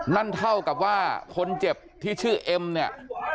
นั่นเท่ากับว่าคนเจ็บที่ชื่อเอ็มเนี่ย